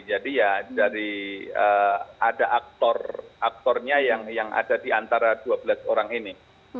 jadi ya dari ada aktor aktornya yang ada di antara dua belas orang ini